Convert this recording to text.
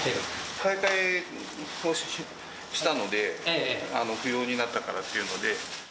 買い替えをしたので、不要になったからっていうので。